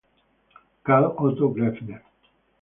Karl Otto Graebner